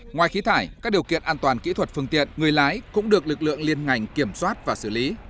ngoài khí thải các điều kiện an toàn kỹ thuật phương tiện người lái cũng được lực lượng liên ngành kiểm soát và xử lý